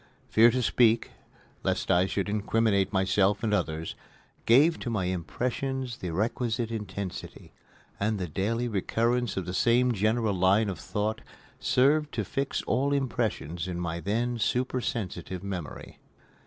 Fear to speak, lest I should incriminate myself and others, gave to my impressions the requisite intensity, and the daily recurrence of the same general line of thought served to fix all impressions in my then supersensitive memory.